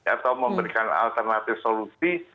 atau memberikan alternatif solusi